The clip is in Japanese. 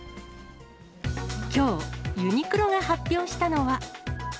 きょう、ユニクロが発表したのは。